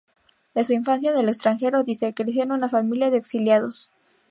De su infancia en el extranjero, dice: "Crecí en una familia de exiliados.